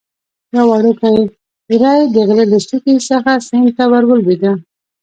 یو وړکی وری د لره له څوکې څخه سیند ته ور ولوېده.